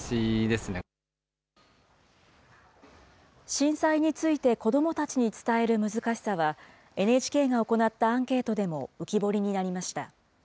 震災について、子どもたちに伝える難しさは、ＮＨＫが行ったアンケートでも浮き彫りになりました。